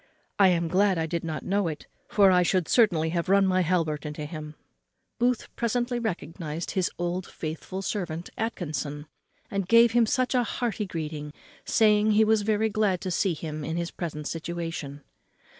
I am glad I did not know it, for I should certainly have run my halbert into him." Booth presently recognised his old faithful servant Atkinson, and gave him a hearty greeting, saying he was very glad to see him in his present situation.